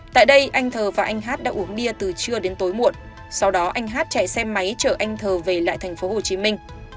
tại đây anh thờ và anh hát đã uống bia từ trưa đến tối muộn sau đó anh hát chạy xe máy chở anh thờ về lại thành phố hồ chí minh